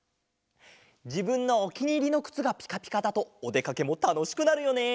じぶんのおきにいりのくつがピカピカだとおでかけもたのしくなるよね！